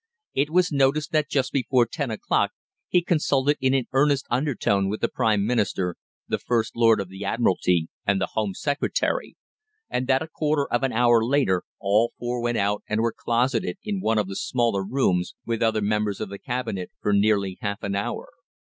It was noticed that just before ten o'clock he consulted in an earnest undertone with the Prime Minister, the First Lord of the Admiralty, and the Home Secretary, and that a quarter of an hour later all four went out and were closeted in one of the smaller rooms with other members of the Cabinet for nearly half an hour.